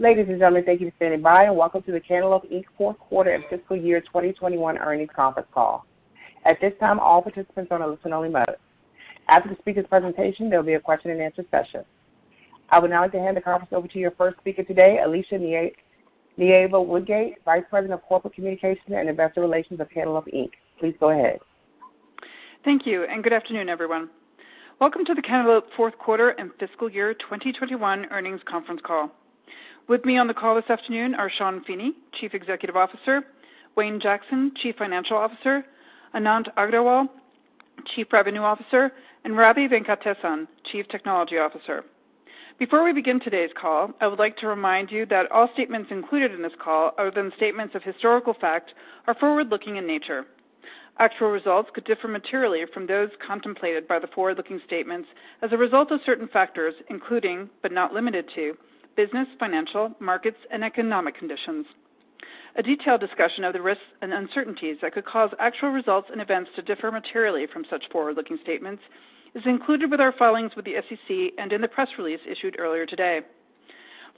Ladies and gentlemen, thank you for standing by, and welcome to the Cantaloupe, Inc. fourth quarter and fiscal year 2021 earnings conference call. At this time, all participants are on listen only mode. After the speaker's presentation, there will be a question and answer session. I would now like to hand the conference over to your first speaker today, Alicia Nieva-Woodgate, Vice President of Corporate Communication and Investor Relations at Cantaloupe, Inc. Please go ahead. Thank you, good afternoon, everyone. Welcome to the Cantaloupe fourth quarter and fiscal year 2021 earnings conference call. With me on the call this afternoon are Sean Feeney, Chief Executive Officer, Wayne Jackson, Chief Financial Officer, Anant Agrawal, Chief Revenue Officer, and Ravi Venkatesan, Chief Technology Officer. Before we begin today's call, I would like to remind you that all statements included in this call, other than statements of historical fact, are forward-looking in nature. Actual results could differ materially from those contemplated by the forward-looking statements as a result of certain factors, including, but not limited to business, financial, markets, and economic conditions. A detailed discussion of the risks and uncertainties that could cause actual results and events to differ materially from such forward-looking statements is included with our filings with the SEC and in the press release issued earlier today.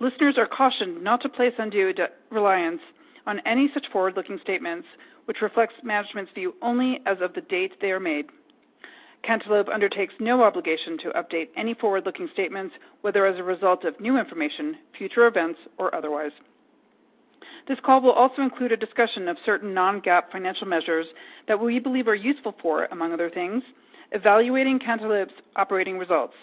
Listeners are cautioned not to place undue reliance on any such forward-looking statements, which reflects management's view only as of the date they are made. Cantaloupe undertakes no obligation to update any forward-looking statements, whether as a result of new information, future events, or otherwise. This call will also include a discussion of certain non-GAAP financial measures that we believe are useful for, among other things, evaluating Cantaloupe's operating results.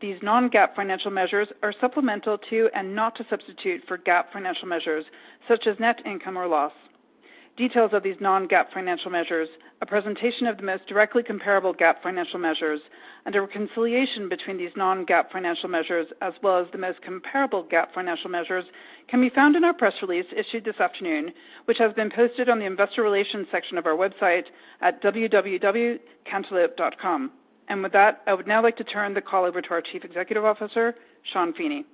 These non-GAAP financial measures are supplemental to and not to substitute for GAAP financial measures such as net income or loss. Details of these non-GAAP financial measures, a presentation of the most directly comparable GAAP financial measures, and a reconciliation between these non-GAAP financial measures as well as the most comparable GAAP financial measures can be found in our press release issued this afternoon, which has been posted on the investor relations section of our website at www.cantaloupe.com. With that, I would now like to turn the call over to our Chief Executive Officer, Sean Feeney.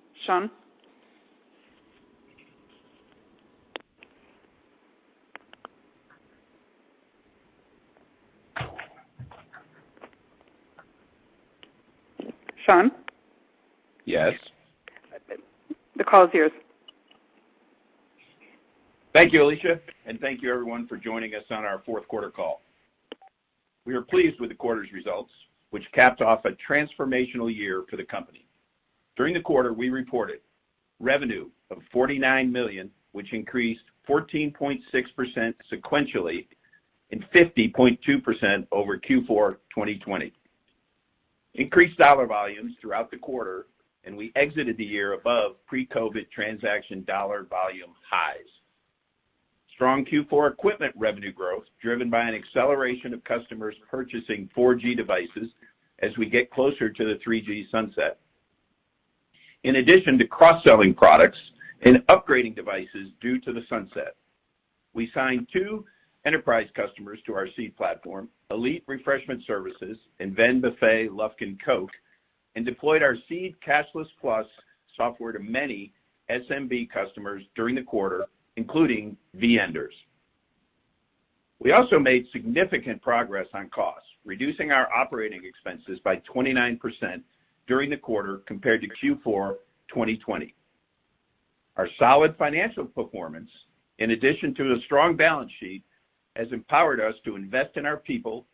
Sean? Yes. The call is yours. Thank you, Alicia, and thank you everyone for joining us on our fourth quarter call. We are pleased with the quarter's results, which capped off a transformational year for the company. During the quarter, we reported revenue of $49 million, which increased 14.6% sequentially and 50.2% over Q4 2020. Increased dollar volumes throughout the quarter, and we exited the year above pre-COVID transaction dollar volume highs. Strong Q4 equipment revenue growth driven by an acceleration of customers purchasing 4G devices as we get closer to the 3G sunset. In addition to cross-selling products and upgrading devices due to the sunset, we signed two enterprise customers to our Seed platform, Elite Refreshment Services and Vend Buffet/Lufkin Coke, and deployed our Seed Cashless+ software to many SMB customers during the quarter, including V-Enders. We also made significant progress on costs, reducing our operating expenses by 29% during the quarter compared to Q4 2020. Our solid financial performance, in addition to a strong balance sheet, has empowered us to invest in our people,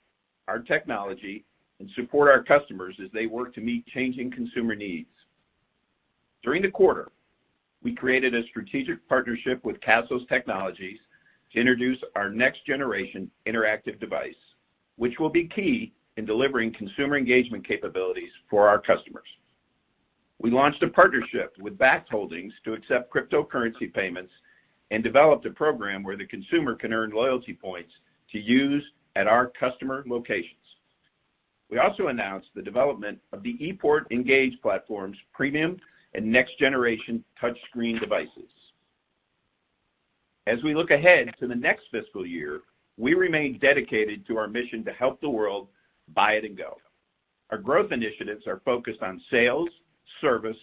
our technology, and support our customers as they work to meet changing consumer needs. During the quarter, we created a strategic partnership with Castles Technology to introduce our next generation interactive device, which will be key in delivering consumer engagement capabilities for our customers. We launched a partnership with Bakkt Holdings to accept cryptocurrency payments and developed a program where the consumer can earn loyalty points to use at our customer locations. We also announced the development of the ePort Engage platform's premium and next generation touchscreen devices. As we look ahead to the next fiscal year, we remain dedicated to our mission to help the world buy it and go. Our growth initiatives are focused on sales, service,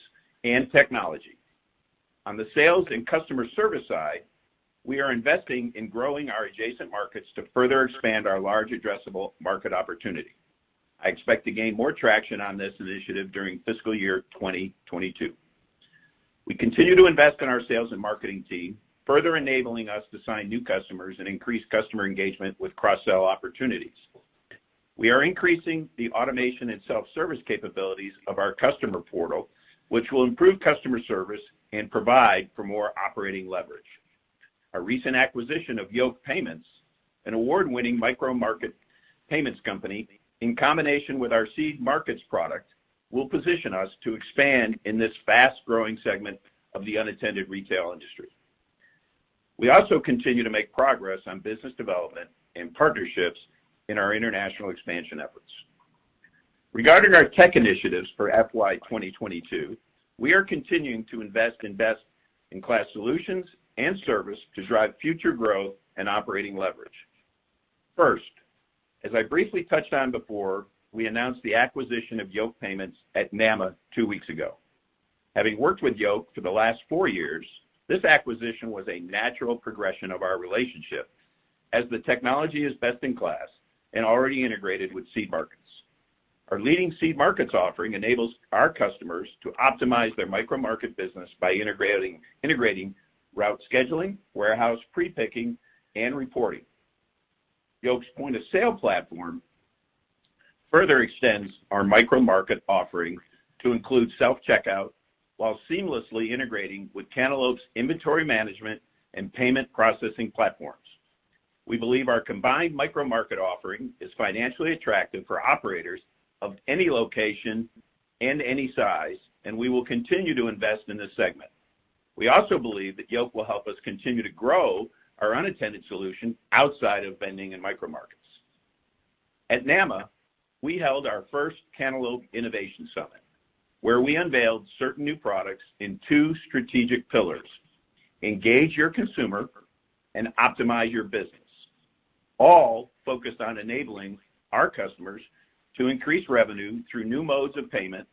and technology. On the sales and customer service side, we are investing in growing our adjacent markets to further expand our large addressable market opportunity. I expect to gain more traction on this initiative during fiscal year 2022. We continue to invest in our sales and marketing team, further enabling us to sign new customers and increase customer engagement with cross-sell opportunities. We are increasing the automation and self-service capabilities of our customer portal, which will improve customer service and provide for more operating leverage. Our recent acquisition of Yoke Payments, an award-winning micro market payments company, in combination with our Seed Markets product, will position us to expand in this fast-growing segment of the unattended retail industry. We also continue to make progress on business development and partnerships in our international expansion efforts. Regarding our tech initiatives for FY 2022, we are continuing to invest in best-in-class solutions and service to drive future growth and operating leverage. First, as I briefly touched on before, we announced the acquisition of Yoke Payments at NAMA two weeks ago. Having worked with Yoke for the last four years, this acquisition was a natural progression of our relationship. As the technology is best in class and already integrated with Seed Markets. Our leading Seed Markets offering enables our customers to optimize their micro market business by integrating route scheduling, warehouse prepicking, and reporting. Yoke's point-of-sale platform further extends our micro market offering to include self-checkout while seamlessly integrating with Cantaloupe's inventory management and payment processing platforms. We believe our combined micro market offering is financially attractive for operators of any location and any size, and we will continue to invest in this segment. We also believe that Yoke will help us continue to grow our unattended solution outside of vending and micro markets. At NAMA, we held our first Cantaloupe Innovation Summit, where we unveiled certain new products in two strategic pillars, engage your consumer and optimize your business. All focused on enabling our customers to increase revenue through new modes of payment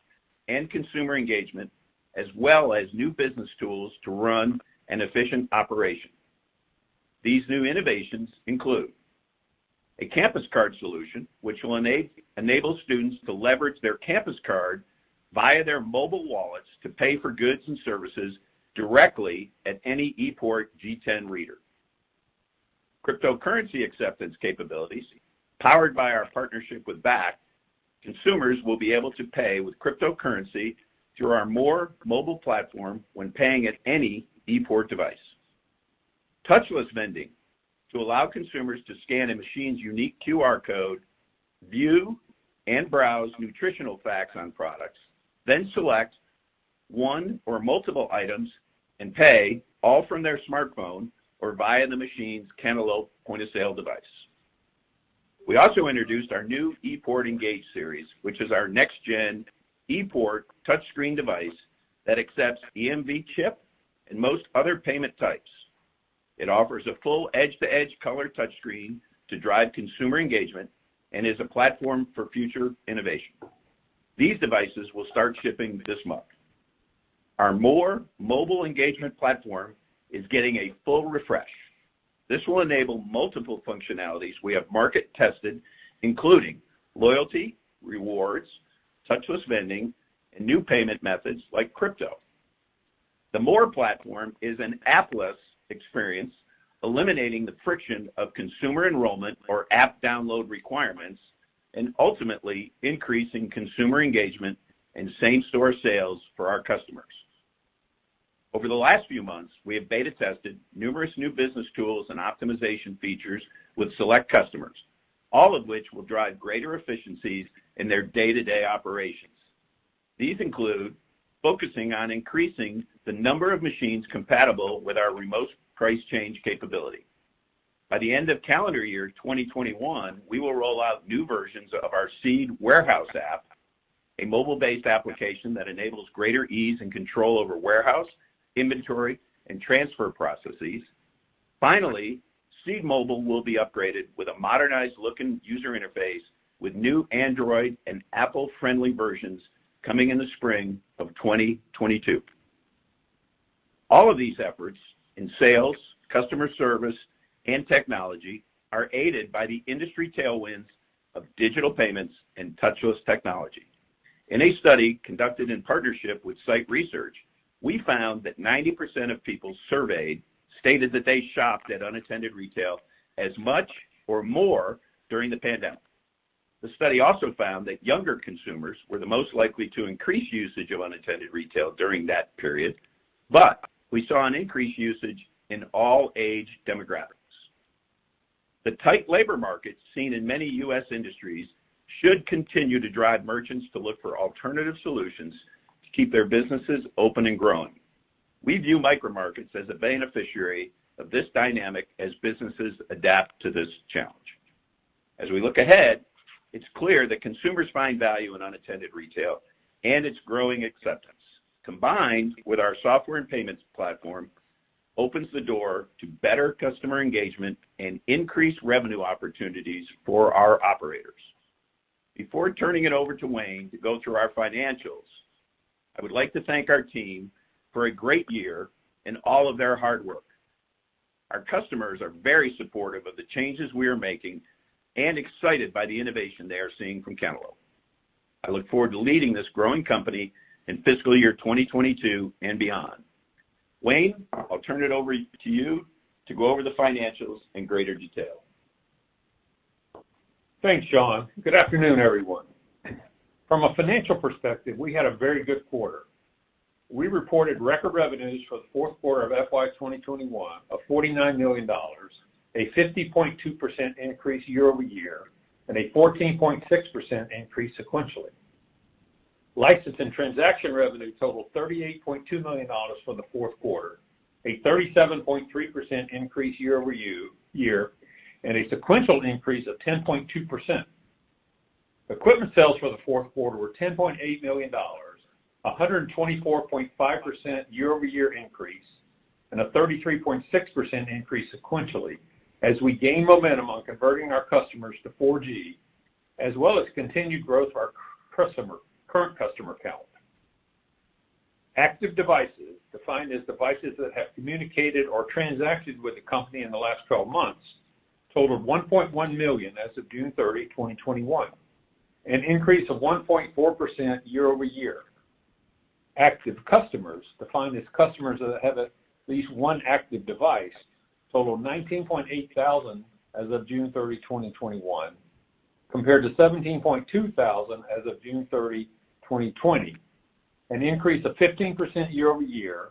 and consumer engagement, as well as new business tools to run an efficient operation. These new innovations include a campus card solution, which will enable students to leverage their campus card via their mobile wallets to pay for goods and services directly at any ePort G10 reader. Cryptocurrency acceptance capabilities, powered by our partnership with Bakkt, consumers will be able to pay with cryptocurrency through our MORE mobile platform when paying at any ePort device. Touchless vending to allow consumers to scan a machine's unique QR code, view and browse nutritional facts on products, then select one or multiple items and pay, all from their smartphone or via the machine's Cantaloupe point-of-sale device. We also introduced our new ePort Engage series, which is our next-gen ePort touchscreen device that accepts EMV chip and most other payment types. It offers a full edge-to-edge color touchscreen to drive consumer engagement and is a platform for future innovation. These devices will start shipping this month. Our MORE mobile engagement platform is getting a full refresh. This will enable multiple functionalities we have market-tested, including loyalty, rewards, touchless vending, and new payment methods like crypto. The MORE platform is an appless experience, eliminating the friction of consumer enrollment or app download requirements, and ultimately increasing consumer engagement and same-store sales for our customers. Over the last few months, we have beta tested numerous new business tools and optimization features with select customers, all of which will drive greater efficiencies in their day-to-day operations. These include focusing on increasing the number of machines compatible with our remote price change capability. By the end of calendar year 2021, we will roll out new versions of our Seed Warehouse app, a mobile-based application that enables greater ease and control over warehouse, inventory, and transfer processes. Finally, Seed Mobile will be upgraded with a modernized-looking user interface with new Android and Apple-friendly versions coming in the spring of 2022. All of these efforts in sales, customer service, and technology are aided by the industry tailwinds of digital payments and touchless technology. In a study conducted in partnership with CITE Research, we found that 90% of people surveyed stated that they shopped at unattended retail as much or more during the pandemic. The study also found that younger consumers were the most likely to increase usage of unattended retail during that period. We saw an increased usage in all age demographics. The tight labor market seen in many U.S. industries should continue to drive merchants to look for alternative solutions to keep their businesses open and growing. We view micro markets as a beneficiary of this dynamic as businesses adapt to this challenge. As we look ahead, it's clear that consumers find value in unattended retail, and its growing acceptance, combined with our software and payments platform, opens the door to better customer engagement and increased revenue opportunities for our operators. Before turning it over to Wayne to go through our financials, I would like to thank our team for a great year and all of their hard work. Our customers are very supportive of the changes we are making and excited by the innovation they are seeing from Cantaloupe. I look forward to leading this growing company in fiscal year 2022 and beyond. Wayne, I'll turn it over to you to go over the financials in greater detail. Thanks, Sean. Good afternoon, everyone. From a financial perspective, we had a very good quarter. We reported record revenues for the fourth quarter of FY 2021 of $49 million, a 50.2% increase year-over-year, and a 14.6% increase sequentially. License and transaction revenue totaled $38.2 million for the fourth quarter, a 37.3% increase year-over-year, and a sequential increase of 10.2%. Equipment sales for the fourth quarter were $10.8 million, 124.5% year-over-year increase, and a 33.6% increase sequentially as we gain momentum on converting our customers to 4G, as well as continued growth of our current customer count. Active devices, defined as devices that have communicated or transacted with the company in the last 12 months, totaled 1.1 million as of June 30, 2021, an increase of 1.4% year-over-year. Active customers, defined as customers that have at least one active device, totaled 198,000 as of June 30, 2021, compared to 172,000 as of June 30, 2020, an increase of 15% year-over-year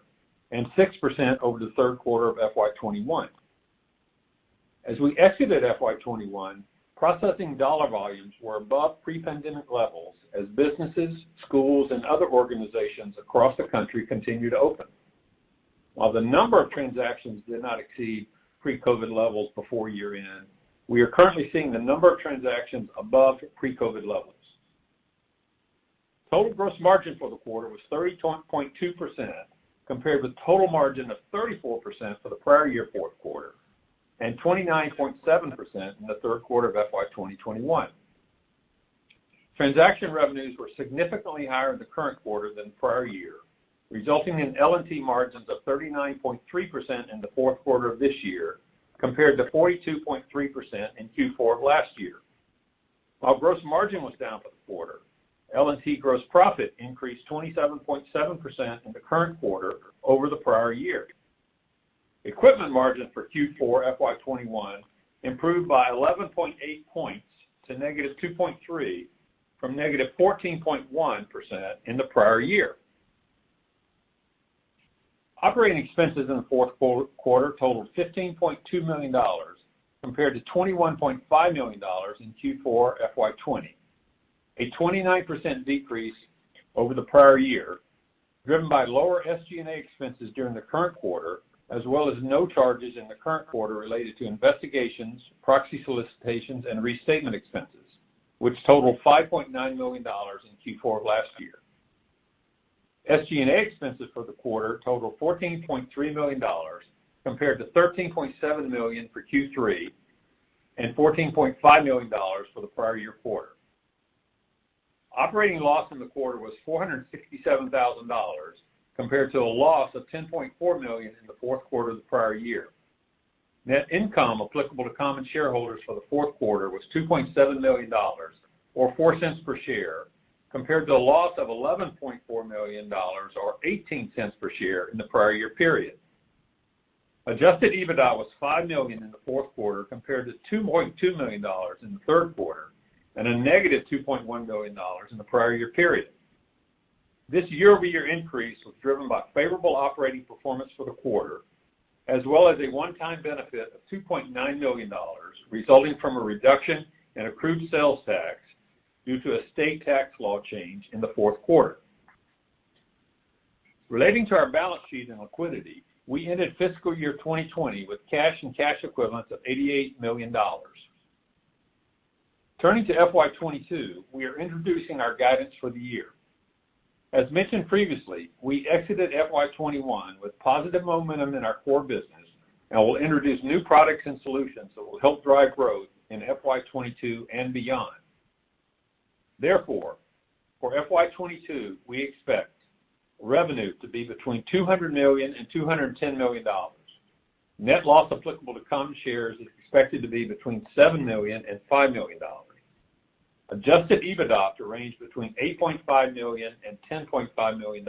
and 6% over the third quarter of FY 2021. As we exited FY 2021, processing dollar volumes were above pre-pandemic levels as businesses, schools, and other organizations across the country continued to open. While the number of transactions did not exceed pre-COVID levels before year-end, we are currently seeing the number of transactions above pre-COVID levels. Total gross margin for the quarter was 30.2%, compared with total margin of 34% for the prior year fourth quarter, and 29.7% in the third quarter of FY 2021. Transaction revenues were significantly higher in the current quarter than prior year, resulting in L&T margins of 39.3% in the fourth quarter of this year, compared to 42.3% in Q4 of last year. While gross margin was down for the quarter, L&T gross profit increased 27.7% in the current quarter over the prior year. Equipment margins for Q4 FY 2021 improved by 11.8 points to -2.3% from -14.1% in the prior year. Operating expenses in the fourth quarter totaled $15.2 million compared to $21.5 million in Q4 FY 2020, a 29% decrease over the prior year, driven by lower SG&A expenses during the current quarter, as well as no charges in the current quarter related to investigations, proxy solicitations, and restatement expenses, which totaled $5.9 million in Q4 of last year. SG&A expenses for the quarter totaled $14.3 million, compared to $13.7 million for Q3 and $14.5 million for the prior year quarter. Operating loss in the quarter was $467,000, compared to a loss of $10.4 million in the fourth quarter of the prior year. Net income applicable to common shareholders for the fourth quarter was $2.7 million, or $0.04 per share, compared to a loss of $11.4 million or $0.18 per share in the prior year period. Adjusted EBITDA was $5 million in the fourth quarter, compared to $2.2 million in the third quarter, and a negative $2.1 million in the prior year period. This year-over-year increase was driven by favorable operating performance for the quarter, as well as a one-time benefit of $2.9 million, resulting from a reduction in accrued sales tax due to a state tax law change in the fourth quarter. Relating to our balance sheet and liquidity, we ended fiscal year 2020 with cash and cash equivalents of $88 million. Turning to FY 2022, we are introducing our guidance for the year. As mentioned previously, we exited FY 2021 with positive momentum in our core business and will introduce new products and solutions that will help drive growth in FY 2022 and beyond. For FY 2022, we expect revenue to be between $200 million and $210 million. Net loss applicable to common shares is expected to be between $7 million and $5 million. Adjusted EBITDA to range between $8.5 million and $10.5 million.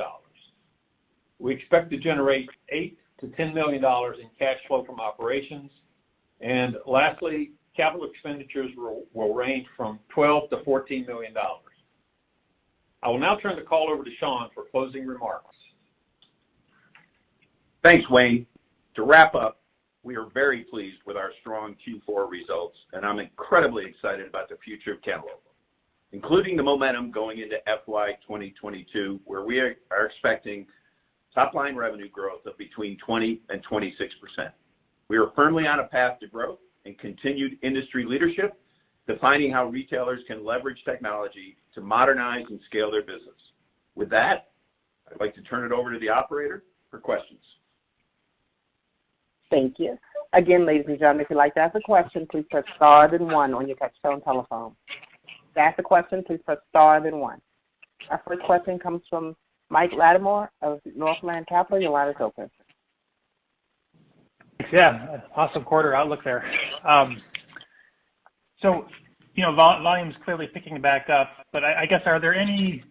We expect to generate $8 million-$10 million in cash flow from operations. Lastly, capital expenditures will range from $12 million-$14 million. I will now turn the call over to Sean for closing remarks. Thanks, Wayne. To wrap up, we are very pleased with our strong Q4 results. I'm incredibly excited about the future of Cantaloupe, including the momentum going into FY 2022, where we are expecting top-line revenue growth of between 20% and 26%. We are firmly on a path to growth and continued industry leadership, defining how retailers can leverage technology to modernize and scale their business. With that, I'd like to turn it over to the operator for questions. Thank you. Again, ladies and gentlemen, if you'd like to ask a question, please press star then one on your touchtone telephone. To ask a question, please press star then one. Our first question comes from Michael Latimore of Northland Capital Markets. Your line is open. Yeah, awesome quarter outlook there. Volume's clearly picking back up, but I guess, are there any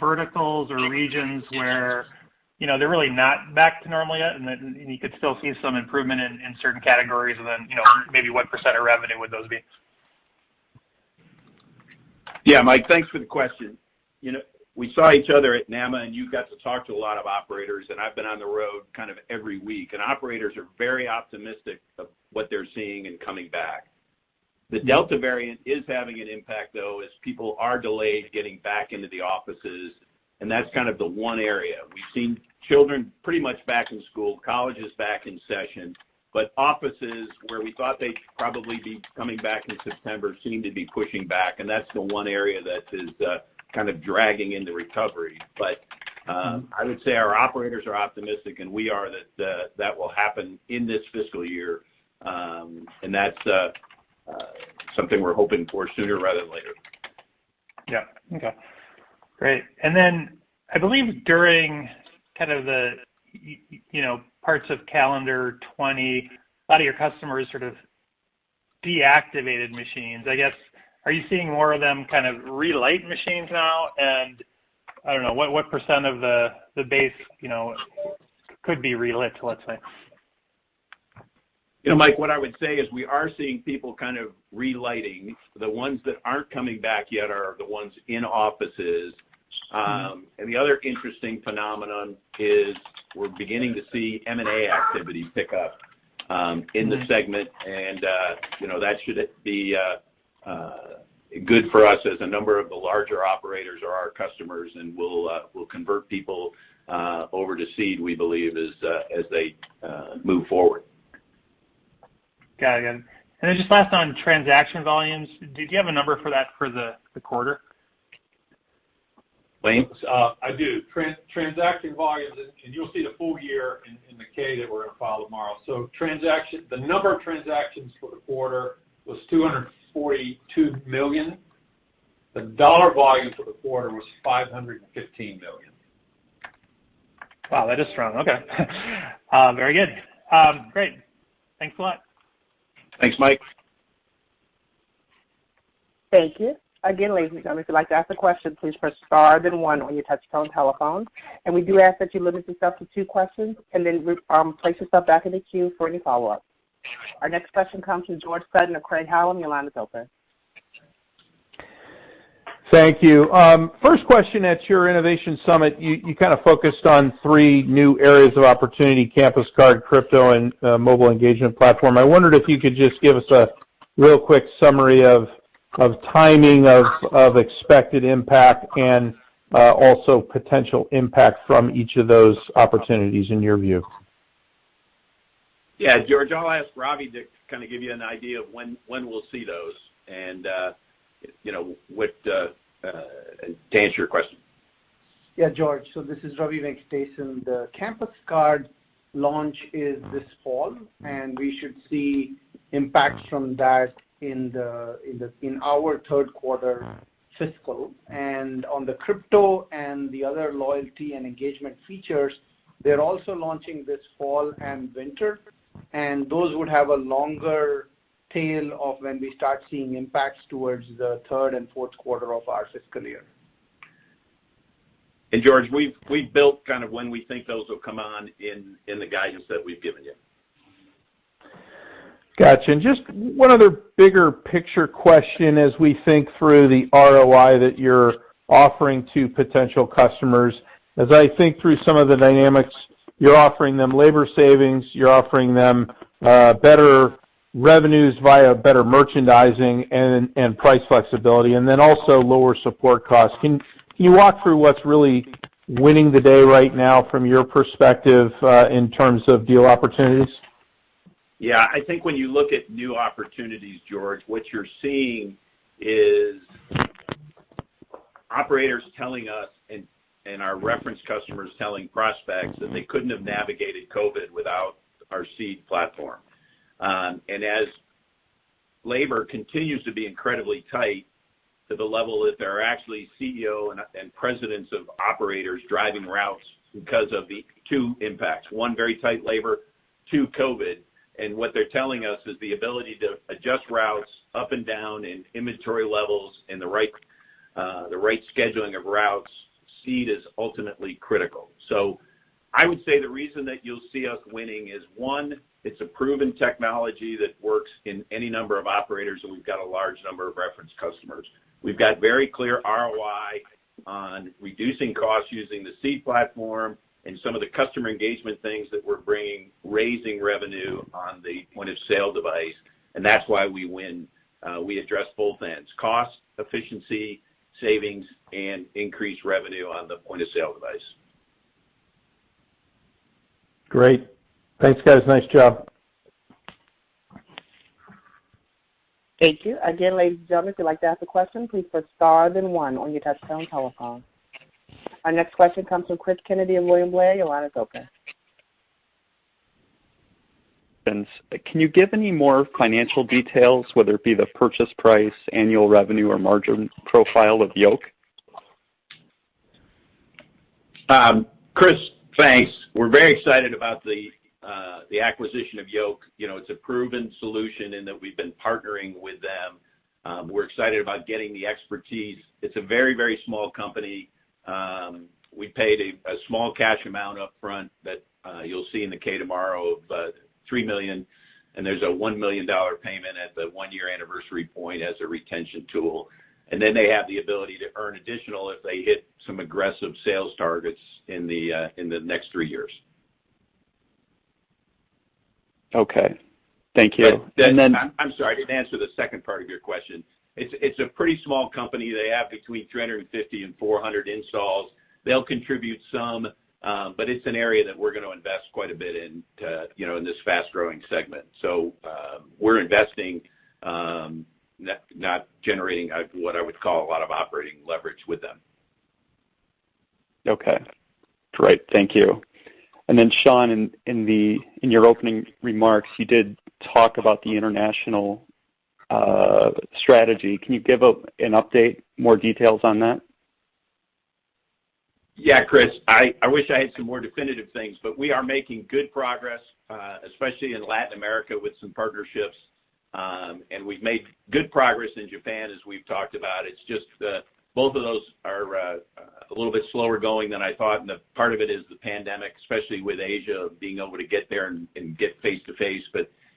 verticals or regions where they're really not back to normal yet, and you could still see some improvement in certain categories, and then maybe what percent of revenue would those be? Yeah, Mike, thanks for the question. We saw each other at NAMA, and you got to talk to a lot of operators, and I've been on the road every week, and operators are very optimistic of what they're seeing and coming back. The Delta variant is having an impact, though, as people are delayed getting back into the offices, and that's the one area. We've seen children pretty much back in school, colleges back in session, but offices where we thought they'd probably be coming back in September seem to be pushing back, and that's the one area that is dragging in the recovery. I would say our operators are optimistic, and we are that that will happen in this fiscal year. That's something we're hoping for sooner rather than later. Yeah. Okay, great. I believe during parts of calendar 2020, a lot of your customers sort of deactivated machines, I guess. Are you seeing more of them relight machines now? I don't know, what percent of the base could be relit, let's say? Mike, what I would say is we are seeing people kind of relighting. The ones that aren't coming back yet are the ones in offices. The other interesting phenomenon is we're beginning to see M&A activity pick up in the segment, and that should be good for us as a number of the larger operators are our customers, and we'll convert people over to Seed, we believe, as they move forward. Got it. Just last on transaction volumes, did you have a number for that for the quarter? Mike, I do. Transaction volumes, and you'll see the full year in the K that we're going to file tomorrow. The number of transactions for the quarter was $242 million. The dollar volume for the quarter was $515 million. Wow, that is strong. Okay. Very good. Great. Thanks a lot. Thanks, Mike. Thank you. Again, ladies and gentlemen, if you'd like to ask a question, please press star then one on your touch-tone telephone. We do ask that you limit yourself to two questions and then place yourself back in the queue for any follow-ups. Our next question comes from George Sutton of Craig-Hallum. Your line is open. Thank you. First question, at your Innovation Summit, you kind of focused on three new areas of opportunity, campus card, crypto, and mobile engagement platform. I wondered if you could just give us a real quick summary of timing of expected impact and also potential impact from each of those opportunities in your view. Yeah. George, I'll ask Ravi to kind of give you an idea of when we'll see those, and to answer your question. Yeah, George Sutton, this is Ravi Venkatesan. The campus card launch is this fall, and we should see impacts from that in our third-quarter fiscal. On the crypto and the other loyalty and engagement features, they're also launching this fall and winter, and those would have a longer tail of when we start seeing impacts towards the third and fourth quarter of our fiscal year. George, we've built kind of when we think those will come on in the guidance that we've given you. Got you. Just one other bigger picture question as we think through the ROI that you're offering to potential customers. As I think through some of the dynamics, you're offering them labor savings, you're offering them better revenues via better merchandising and price flexibility, and then also lower support costs. Can you walk through what's really winning the day right now from your perspective in terms of deal opportunities? Yeah. I think when you look at new opportunities, George, what you're seeing is operators telling us and our reference customers telling prospects that they couldn't have navigated COVID without our Seed platform. As labor continues to be incredibly tight to the level that there are actually CEO and presidents of operators driving routes because of the two impacts, one, very tight labor, two, COVID, and what they're telling us is the ability to adjust routes up and down in inventory levels and the right scheduling of routes, Seed is ultimately critical. I would say the reason that you'll see us winning is, one, it's a proven technology that works in any number of operators, and we've got a large number of reference customers. We've got very clear ROI on reducing costs using the Seed platform and some of the customer engagement things that we're bringing, raising revenue on the point-of-sale device. That's why we win. We address both ends, cost, efficiency, savings, and increased revenue on the point-of-sale device. Great. Thanks, guys. Nice job. Thank you. Again, ladies and gentlemen. Our next question comes from Cristopher Kennedy of William Blair. Your line is open. Can you give any more financial details, whether it be the purchase price, annual revenue, or margin profile of Yoke? Chris, thanks. We're very excited about the acquisition of Yoke. It's a proven solution in that we've been partnering with them. We're excited about getting the expertise. It's a very, very small company. We paid a small cash amount upfront that you'll see in the K tomorrow of $3 million, and there's a $1 million payment at the one-year anniversary point as a retention tool. Then they have the ability to earn additional if they hit some aggressive sales targets in the next three years. Okay. Thank you. I'm sorry. I didn't answer the second part of your question. It's a pretty small company. They have between 350 and 400 installs. They'll contribute some, but it's an area that we're going to invest quite a bit in this fast-growing segment. We're investing, not generating what I would call a lot of operating leverage with them. Okay, great. Thank you. Sean, in your opening remarks, you did talk about the international strategy. Can you give an update, more details on that? Yeah, Chris, I wish I had some more definitive things. We are making good progress, especially in Latin America with some partnerships. We've made good progress in Japan, as we've talked about. It's just both of those are a little bit slower going than I thought, and a part of it is the pandemic, especially with Asia, being able to get there and get face-to-face.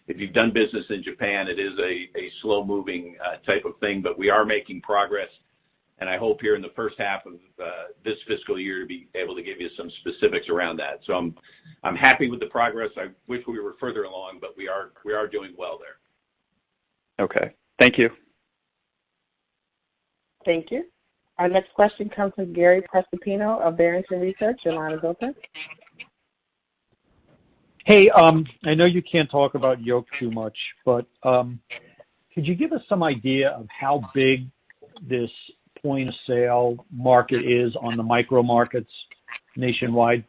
If you've done business in Japan, it is a slow-moving type of thing. We are making progress, and I hope here in the first half of this fiscal year, to be able to give you some specifics around that. I'm happy with the progress. I wish we were further along, but we are doing well there. Okay. Thank you. Thank you. Our next question comes from Gary Prestopino of Barrington Research. Your line is open. Hey. I know you can't talk about Yoke too much, but could you give us some idea of how big this point-of-sale market is on the micro markets nationwide?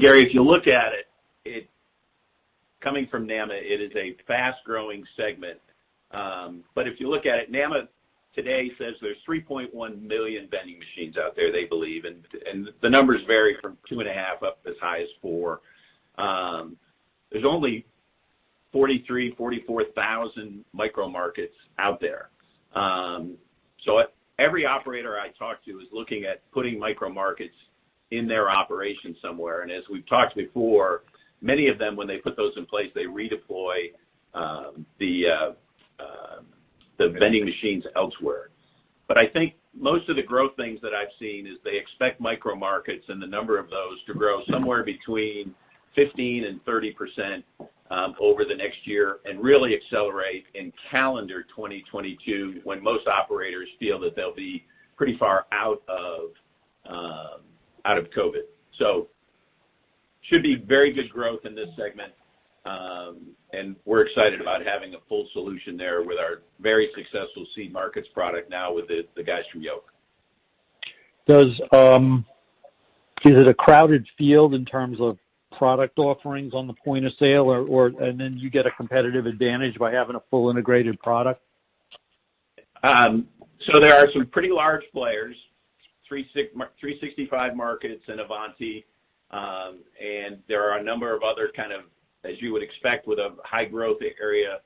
Gary, if you look at it, coming from NAMA, it is a fast-growing segment. If you look at it, NAMA today says there's 3.1 million vending machines out there, they believe, and the numbers vary from two and a half up to as high as four. There's only 43,000, 44,000 micro markets out there. Every operator I talk to is looking at putting micro markets in their operation somewhere. As we've talked before, many of them, when they put those in place, they redeploy the vending machines elsewhere. I think most of the growth things that I've seen is they expect micro markets and the number of those to grow somewhere between 15%-30% over the next year, and really accelerate in calendar 2022 when most operators feel that they'll be pretty far out of COVID. Should be very good growth in this segment. We're excited about having a full solution there with our very successful Seed Markets product now with the guys from Yoke. Is it a crowded field in terms of product offerings on the point of sale, and then you get a competitive advantage by having a full integrated product? There are some pretty large players, 365 Retail Markets and Avanti Markets, and there are a number of other kind of, as you would expect with a high-growth area,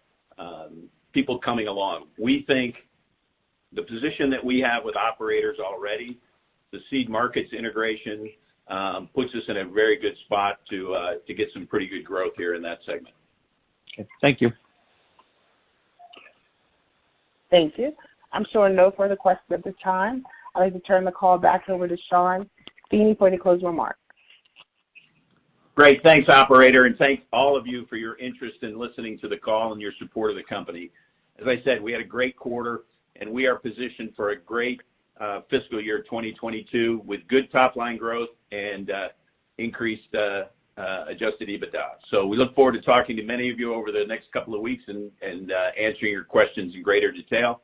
people coming along. We think the position that we have with operators already, the Seed Markets integration, puts us in a very good spot to get some pretty good growth here in that segment. Okay. Thank you. Thank you. I'm showing no further questions at this time. I'd like to turn the call back over to Sean Feeney for any closing remarks. Great. Thanks, operator. Thanks all of you for your interest in listening to the call and your support of the company. As I said, we had a great quarter. We are positioned for a great fiscal year 2022, with good top-line growth and increased adjusted EBITDA. We look forward to talking to many of you over the next couple of weeks and answering your questions in greater detail.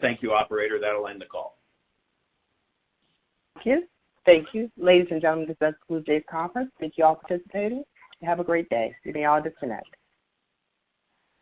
Thank you, operator. That'll end the call. Thank you. Ladies and gentlemen, this does conclude today's conference. Thank you all for participating and have a great day. You may all disconnect.